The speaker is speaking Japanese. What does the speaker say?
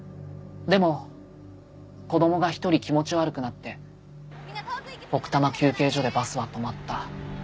でも子供が１人気持ち悪くなって奥多摩休憩所でバスは止まった。